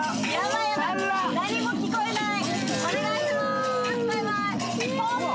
何も聞こえない。